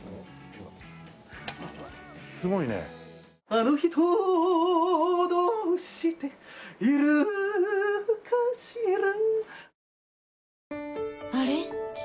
「あの人どうしているかしら」